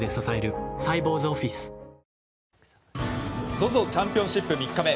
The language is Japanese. ＺＯＺＯチャンピオンシップ３日目。